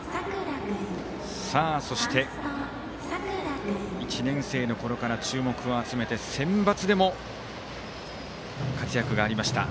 そして、１年生のころから注目を集めてセンバツでも活躍がありました。